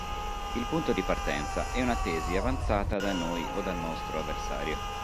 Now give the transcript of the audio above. Il punto di partenza è una tesi avanzata da noi o dal nostro avversario.